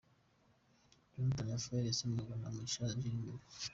Jonathan Raphael yasimburwaga na Mugisha Gilbert.